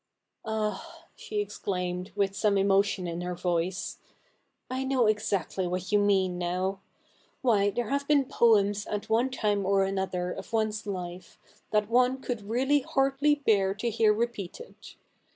'Ah,' she exclaimed, with some emotion in her voice, ' I know exactly what you mean now. ^^ hy^ there have been poems at one time or another of one's life, that one could really hardly bear to hear repeated.